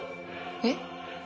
えっ？